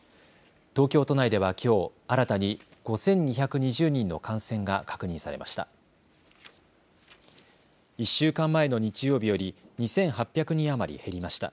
東京都内ではきょう、新たに５２２０人の感染が確認されました。